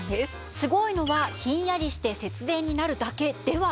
すごいのはひんやりして節電になるだけではないんです！